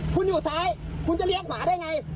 คุณอยู่ซ้ายคุณจะเลี้ยงหมาได้ไง